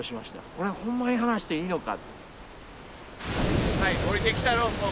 これほんまに離していいのか。